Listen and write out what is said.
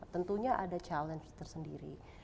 tentunya ada challenge tersendiri